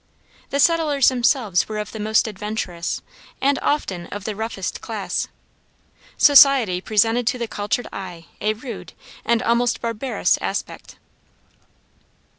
The settlers themselves were of the most adventurous and often of the roughest class. Society presented to the cultured eye a rude and almost barbarous aspect.